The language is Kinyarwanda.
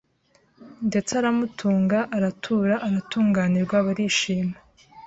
ndetse aramutunga aratura aratunganirwa barishima